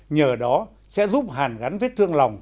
nhờ đó sẽ giúp hàn gắn với thương lòng